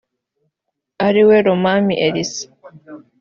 ariwe Romami Elisa